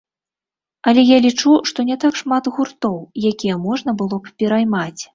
Але я лічу, што не так шмат гуртоў, якія можна было б пераймаць.